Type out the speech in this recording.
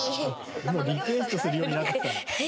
リクエストするようになってきた。